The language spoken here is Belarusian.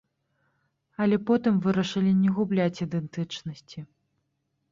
Але потым вырашылі не губляць ідэнтычнасці.